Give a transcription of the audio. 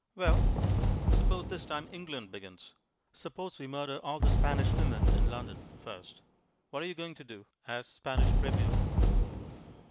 "Well?" "Suppose this time England begins. Suppose we murder all the Spanish women in London first. What are you going to do as Spanish Premier?"